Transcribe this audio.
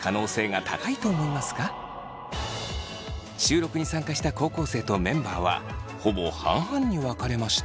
収録に参加した高校生とメンバーはほぼ半々に分かれました。